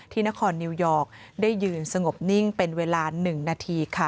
นครนิวยอร์กได้ยืนสงบนิ่งเป็นเวลา๑นาทีค่ะ